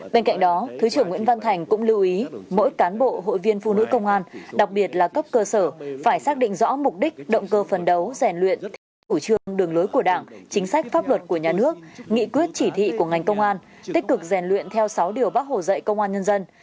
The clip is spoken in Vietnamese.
bên cạnh đó thứ trưởng nguyễn văn thành cũng lưu ý mỗi cán bộ hội viên phụ nữ công an đặc biệt là cấp cơ sở phải xác định rõ mục đích động cơ phấn đấu rèn luyện theo chủ trương đường lối của đảng chính sách pháp luật của nhà nước nghị quyết chỉ thị của ngành công an tích cực rèn luyện theo sáu điều bác hồ dạy công an nhân dân